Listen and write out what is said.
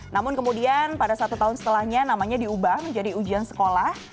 namun kemudian pada satu tahun setelahnya namanya diubah menjadi ujian sekolah